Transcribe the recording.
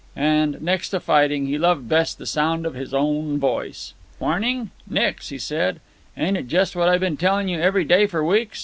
And, next to fighting, he loved best the sound of his own voice. "Warning? Nix!" he said. "Ain't it just what I been telling you every day for weeks?